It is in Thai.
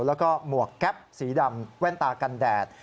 แล้วก็หมวกแก๊ปสีดำแว่นตากันแดด